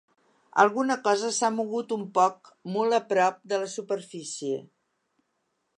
Alguna cosa s’ha mogut un poc molt a prop de la superfície.